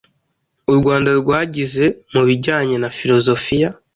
u Rwanda rwagize mu bijyanye na Filozofiya,